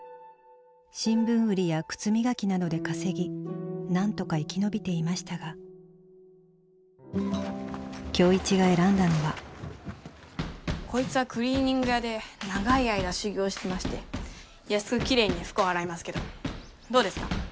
新聞売りや靴磨きなどで稼ぎなんとか生き延びていましたが今日一が選んだのはこいつはクリーニング屋で長い間修業してまして安くきれいに服を洗いますけどどうですか？